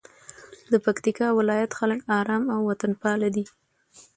د پکتیکا ولایت خلک آرام او وطنپاله دي.